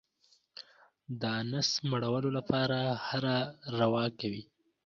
د نس مړولو لپاره هره روا کوي.